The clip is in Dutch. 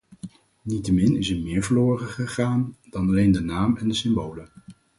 Niettemin is er meer verloren gegaan dan alleen de naam en de symbolen.